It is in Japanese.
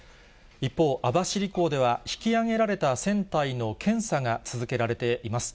一方、網走港では引き揚げられた船体の検査が続けられています。